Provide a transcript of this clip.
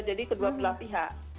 jadi kedua belah pihak